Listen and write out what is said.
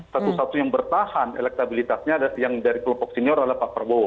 satu satu yang bertahan elektabilitasnya yang dari kelompok senior adalah pak prabowo